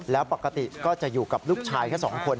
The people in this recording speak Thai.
แล้วปกติก็จะอยู่กับลูกชายแค่๒คน